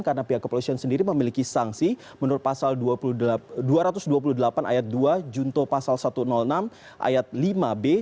karena pihak kepolisian sendiri memiliki sanksi menurut pasal dua ratus dua puluh delapan ayat dua junto pasal satu ratus enam ayat lima b